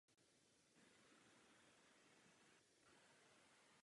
Řádová hvězda byl v podstatě zvětšený řádový odznak.